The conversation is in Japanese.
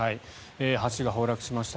橋が崩落しました